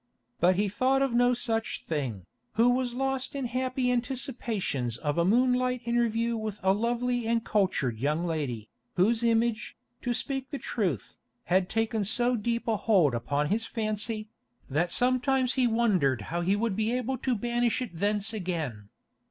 But he thought of no such thing, who was lost in happy anticipations of a moonlight interview with a lovely and cultured young lady, whose image, to speak truth, had taken so deep a hold upon his fancy, that sometimes he wondered how he would be able to banish it thence again.